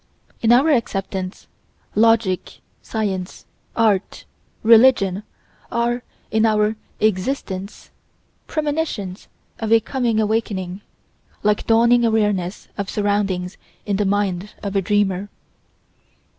In our acceptance, logic, science, art, religion are, in our "existence," premonitions of a coming awakening, like dawning awarenesses of surroundings in the mind of a dreamer.